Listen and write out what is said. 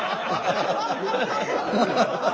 ハハハハハ！